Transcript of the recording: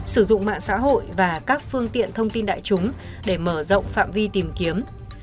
sử dụng mạng xã hội và các phương tiện thông tin đại chúng để mở rộng phạm vi tìm kiếm